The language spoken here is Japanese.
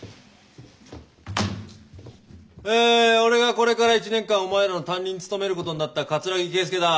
え俺がこれから１年間お前らの担任務めることになった桂木慶介だ。